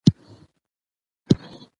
ولې ته ما داسې روزلى يې.